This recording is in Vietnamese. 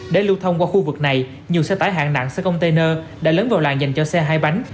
để lưu thông qua khu vực này nhiều xe tải hạng nặng xe container đã lớn vào làng dành cho xe hai bánh